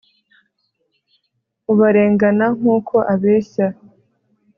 ubu arengana nkuko abeshya